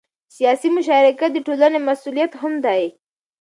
سیاسي مشارکت د ټولنې مسؤلیت هم دی